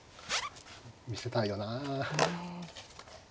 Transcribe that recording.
見せたいよな。